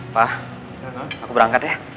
pak aku berangkat ya